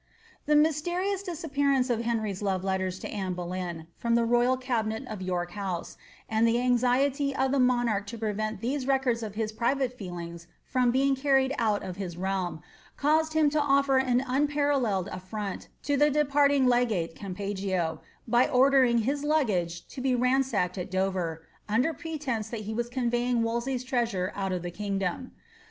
The mysterious disappearance of Henry's love letters to Anne Boleyn, from the royal cabinet of York House, and the anxiety of the monarch to prevent tliese records of his private feelings from being carried out of hia realm, caused him to ofler an unparalleled affront to the departing legate Gunpeggio, by ordering his baggage' to be ransacked at Dover, under pretence that he was conveying Wolsey's treasure out of the kingdom.